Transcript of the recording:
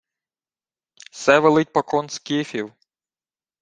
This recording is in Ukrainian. — Се велить покон скіфів.